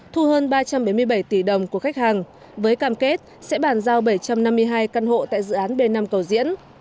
thu hơn ba trăm bảy mươi bảy tỷ đồng của khách hàng với cam kết sẽ bàn giao bảy trăm năm mươi hai căn hộ tại dự án b năm cầu diễn